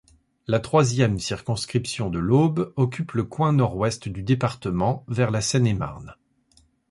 La troisième circonscription de l'Aube occupe le coin nord-ouest du département, vers la Seine-et-Marne.